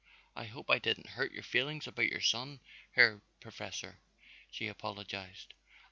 "I hope I didn't hurt your feelings about your son, Herr Professor," she apologized.